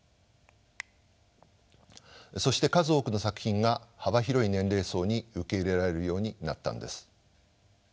そして数多くの作品が幅広い年齢層に受け入れられるようになったんです。